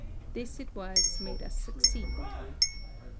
This it was made us succeed.